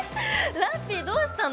ラッピィどうしたの？